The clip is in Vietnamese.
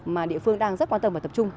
mà địa phương đang rất quan tâm và tập trung